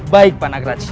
baik pak nagraj